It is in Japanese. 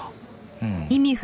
うん。